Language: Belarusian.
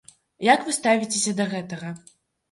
Як вы ставіцеся да гэтага?